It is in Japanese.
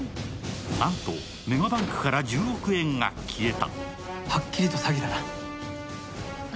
なんとメガバンクから１０億円が消えたはっきりと詐欺だな何？